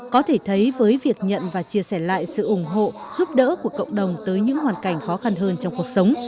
có thể thấy với việc nhận và chia sẻ lại sự ủng hộ giúp đỡ của cộng đồng tới những hoàn cảnh khó khăn hơn trong cuộc sống